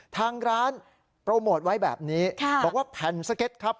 ทางร้านโปรโมทไว้แบบนี้บอกว่าแผ่นสเก็ตครับ